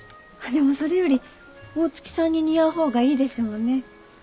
あっでもそれより大月さんに似合う方がいいですもんね。